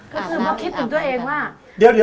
คิดถึงตัวเองว่า